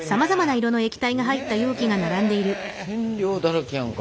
染料だらけやんか。